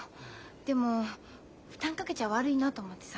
でも負担かけちゃ悪いなと思ってさ。